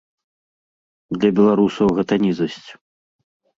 Для беларусаў гэта нізасць.